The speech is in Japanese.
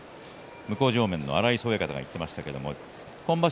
取組前に向正面の荒磯親方が言っていましたが今場所